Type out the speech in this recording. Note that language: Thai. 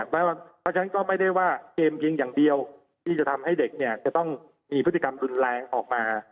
เพราะฉะนั้นก็ไม่ได้ว่าเกมยิงอย่างเดียวที่จะทำให้เด็กเนี่ยจะต้องมีพฤติกรรมรุนแรงออกมา